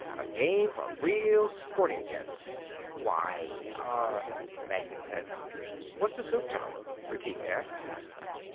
A game for real sporting gents." "Why ... ah ..." Magnan said. "What's a zoop tower?" Retief asked.